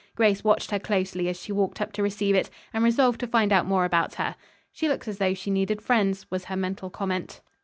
Grace watched her closely as she walked up to receive it and resolved to find out more about her. "She looks as though she needed friends," was her mental comment.